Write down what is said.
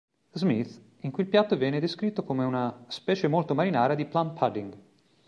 Smith, in cui il piatto viene descritto come una "specie molto marinara di plum-pudding".